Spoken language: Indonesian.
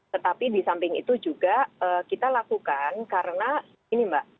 tetapi di samping itu juga kita lakukan karena ini mbak